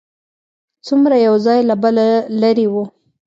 څومره یو ځای له بله لرې و.